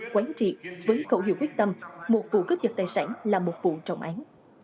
quán triệt với khẩu hiệu quyết tâm một vụ cướp dật tài sản là một vụ trọng án